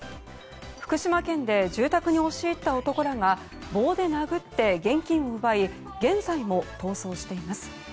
福島県で住宅に押し入った男らが棒で殴って現金を奪い現在も逃走しています。